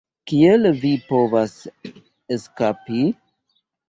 Kiel vi povas eskapi?"